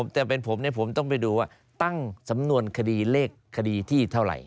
แต่เป็นผมผมต้องไปดูว่าตั้งสำนวนคดีเลขคดีที่เท่าไหร่